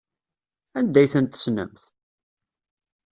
Anda ay tent-tessnemt?